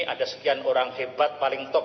ada sekian orang hebat paling top